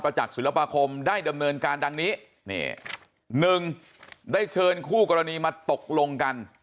จักษ์ศิลปาคมได้ดำเนินการดังนี้นี่หนึ่งได้เชิญคู่กรณีมาตกลงกัน